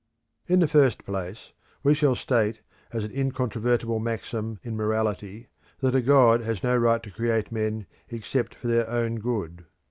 In the first place, we shall state as an incontrovertible maxim in morality that a god has no right to create men except for their own good.